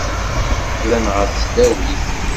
Qqlen ɣer tesdawit.